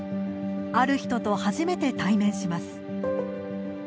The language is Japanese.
ある人と初めて対面します。